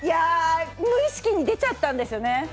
無意識に出ちゃったんですよね。